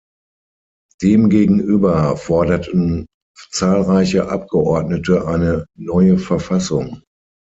Demgegenüber forderten zahlreiche Abgeordnete eine neue Verfassung.